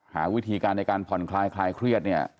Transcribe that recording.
หาวิธีการในการผ่อนคลายคลายเครียดเนี่ย